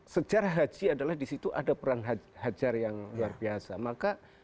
sejarah haji adalah di situ ada peran hajar yang luar biasa maka